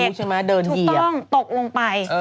ไม่รู้ใช่ไหมเดินเหยียบถูกต้องตกลงไป